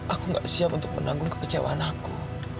aku gak siap untuk menanggung kekecewaan aku